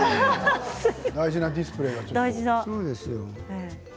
大事なディスプレーが。